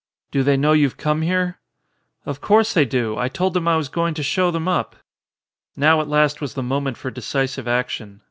"Do they know you've come here?" "Of course they do ; I told them I was going to show them up." Now at last was the moment for decisive action.